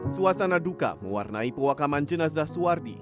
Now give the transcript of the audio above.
suasana duka mewarnai pemakaman jenazah suwardi